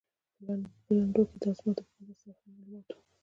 په لنډو کې دا زما د مقدس سفر معلومات و.